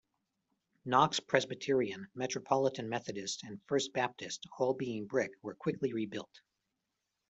Knox Presbyterian, Metropolitan Methodist and First Baptist, all being brick, were quickly rebuilt.